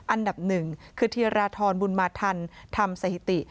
อันดับหนึ่งคือธีราธรบุญมาทันทำสถิติ